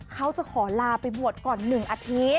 ก็จะขอลาไปบวชก่อนหนึ่งอาทิตย์